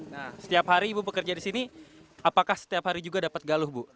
nah setiap hari ibu bekerja di sini apakah setiap hari juga dapat galuh bu